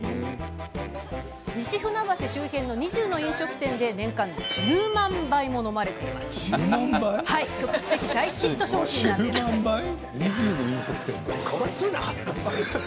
西船橋周辺の２０の飲食店で年間１０万杯も飲まれている局地的大ヒット商品なんです。